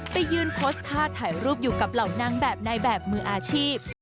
ไปยืนโพสต์ท่าถ่ายรูปอยู่กับเหล่านางแบบในแบบมืออาชีพ